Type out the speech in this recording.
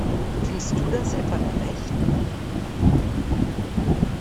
Findest du das etwa gerecht?